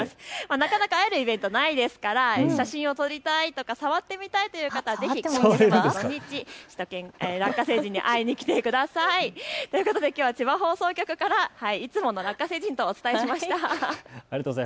なかなか会えるイベントないですから写真を撮りたい、触ってみたいという方はぜひ土日、ラッカ星人に会いに来てください。ということで千葉放送局からラッカ星人とお伝えしました。